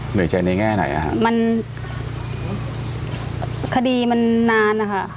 เหนื่อยใจในแง่ไหนอ่ะฮะมันคดีมันนานนะคะ